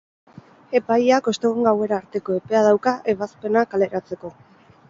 Epaileak ostegun gauera arteko epea dauka ebazpena kaleratzeko.